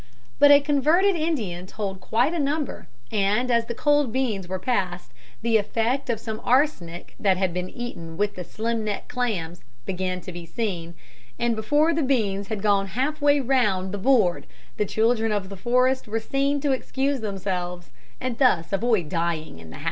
But a converted Indian told quite a number, and as the cold beans were passed, the effect of some arsenic that had been eaten with the slim neck clams began to be seen, and before the beans had gone half way round the board the children of the forest were seen to excuse themselves, and thus avoid dying in the house.